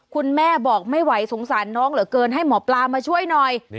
คุณแม่บอกไม่ไหวสงสารน้องเหลือเกินให้หมอปลามาช่วยหน่อย